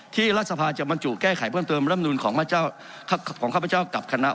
รัฐสภาจะบรรจุแก้ไขเพิ่มเติมร่ำนูนของข้าพเจ้ากับคณะ